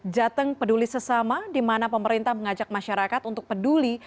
jateng peduli sesama di mana pemerintah mengajak masyarakat untuk peduli